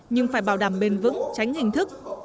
nhưng phải bảo đảm bền vững tránh hình thức